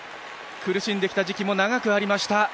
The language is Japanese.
苦しんできた時期も長くありました。